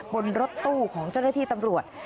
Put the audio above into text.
บนรถตู้ของเจ้าหน้าที่ตำรวจ